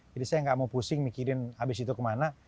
jadi saya nggak mau pusing mikirin habis itu kemana